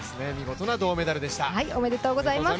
おめでとうございます。